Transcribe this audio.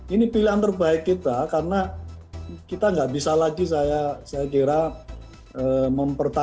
ini pilihan terbaik kita karena kita nggak bisa lagi saya kira mempertaruhkan model manajemennya